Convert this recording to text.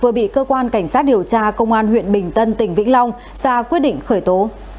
vừa bị cơ quan cảnh sát điều tra công an huyện bình tân tỉnh vĩnh long ra quyết định khởi tố